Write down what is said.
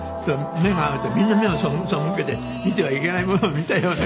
目が合うとみんな目を背けて見てはいけないものを見たような。